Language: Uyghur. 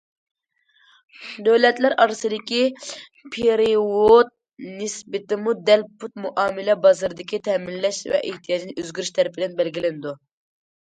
دۆلەتلەر ئارىسىدىكى پېرېۋوت نىسبىتىمۇ دەل پۇل مۇئامىلە بازىرىدىكى تەمىنلەش ۋە ئېھتىياج ئۆزگىرىشى تەرىپىدىن بەلگىلىنىدۇ.